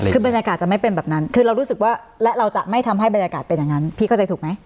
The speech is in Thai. คือบรรยากาศจะไม่เป็นแบบนั้นคือเรารู้สึกว่าและเราจะไม่ทำให้บรรยากาศเป็นอย่างนั้นพี่เข้าใจถูกไหม